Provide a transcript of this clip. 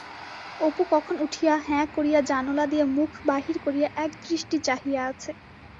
অপু কখন উঠিয়া হ্যাঁ করিয়া জানোলা দিয়া মুখ বাহির করিয়া একদৃষ্টি চাহিয়া আছে।